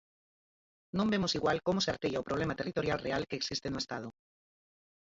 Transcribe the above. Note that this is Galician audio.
Non vemos igual como se artella o problema territorial real que existe no Estado.